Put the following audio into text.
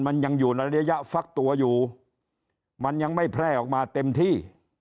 มันยังอยู่ในระยะฟักตัวอยู่มันยังไม่แพร่ออกมาเต็มที่